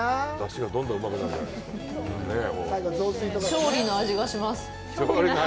勝利の味がします。